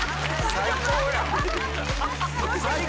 最高やん！